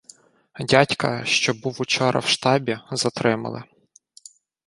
— Дядька, що був учора в штабі, затримали.